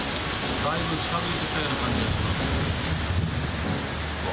だいぶ近づいてきたような感じがします。